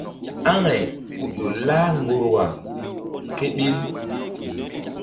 Aŋay ku ƴo lah ŋgorwa kéɓil.